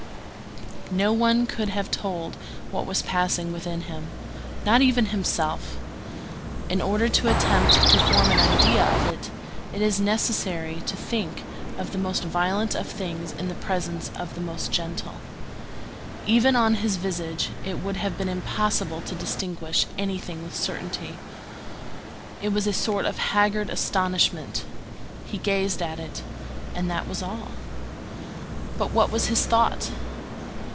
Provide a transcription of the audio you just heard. No one could have told what was passing within him, not even himself. In order to attempt to form an idea of it, it is necessary to think of the most violent of things in the presence of the most gentle. Even on his visage it would have been impossible to distinguish anything with certainty. It was a sort of haggard astonishment. He gazed at it, and that was all. But what was his thought?